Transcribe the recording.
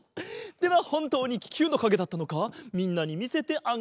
ではほんとうにききゅうのかげだったのかみんなにみせてあげよう。